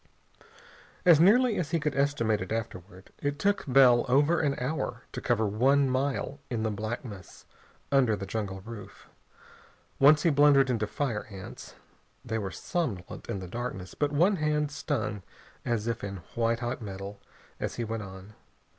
As nearly as he could estimate it afterward, it took Bell over an hour to cover one mile in the blackness under the jungle roof. Once he blundered into fire ants. They were somnolent in the darkness, but one hand stung as if in white hot metal as he went on.